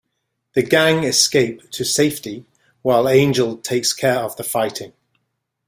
The gang escape to safety while Angel takes care of the fighting.